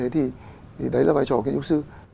thì đấy là vai trò kiến trúc sư